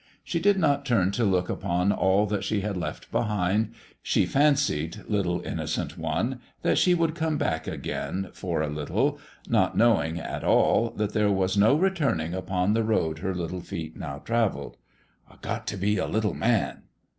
She did not turn to look upon all that she had left behind ; she fancied, little innocent one ! that she would soon come back again, for a little, not knowing, at all, that there was no returning upon the road her little feet now travelled. "I got t' be a little man."